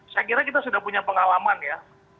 saya kira kita sudah punya pengalaman ya